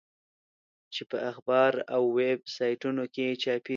چې په اخبار او ویب سایټونو کې چاپېږي.